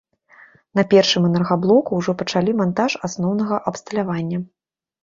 На першым энергаблоку ўжо пачалі мантаж асноўнага абсталявання.